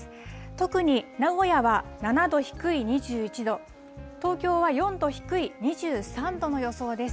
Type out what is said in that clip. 特に名古屋は７度低い２１度、東京は４度低い２３度の予想です。